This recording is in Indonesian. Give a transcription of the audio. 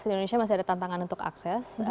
di indonesia masih ada tantangan untuk akses